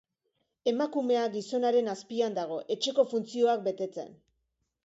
Emakumea gizonaren azpian dago, etxeko funtzioak betetzen.